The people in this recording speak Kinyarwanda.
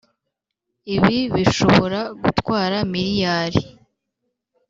Ibi bishobora gutwara miliyari